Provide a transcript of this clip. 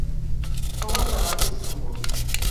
Fou enterrat a Istanbul.